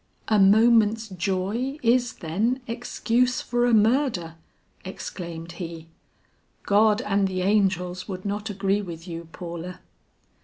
"A moment's joy is, then, excuse for a murder," exclaimed he. "God and the angels would not agree with you, Paula."